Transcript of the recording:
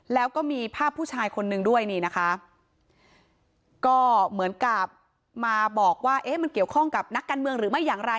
แล้วก็มีภาพผู้ชายคนนึงด้วยนี่นะคะก็เหมือนกับมาบอกว่าเอ๊ะมันเกี่ยวข้องกับนักการเมืองหรือไม่อย่างไร